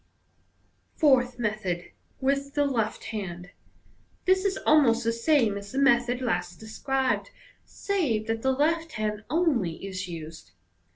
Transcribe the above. Fourth Method. (With the left hand.)— This is almost the same as the method last described, save that the left hand only is used.